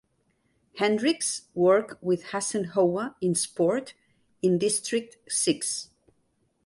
Hendricks worked with Hassen Howa in sport in District Six.